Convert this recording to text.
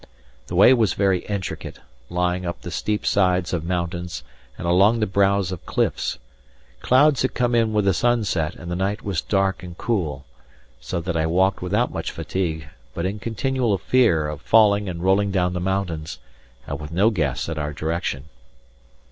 The way was very intricate, lying up the steep sides of mountains and along the brows of cliffs; clouds had come in with the sunset, and the night was dark and cool; so that I walked without much fatigue, but in continual fear of falling and rolling down the mountains, and with no guess at our direction.